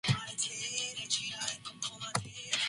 Didion said she liked the set-up, liked being there, and liked him.